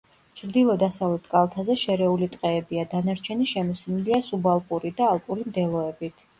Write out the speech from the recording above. ჩრდილო-დასავლეთ კალთაზე შერეული ტყეებია, დანარჩენი შემოსილია სუბალპური და ალპური მდელოებით.